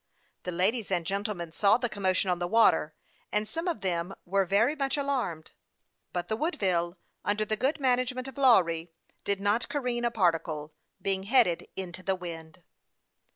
The ladies and gentlemen saw the commotion on the water, and some of them were very much alarmed ; but the Woodville, under the .good management of Lawry, did not careen a par ticle, being headed into the wind.